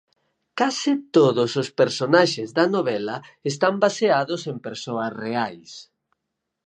Case todos os personaxes da novela están baseados en persoas reais.